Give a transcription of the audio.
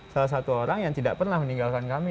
salah satu orang yang tidak pernah meninggalkan kami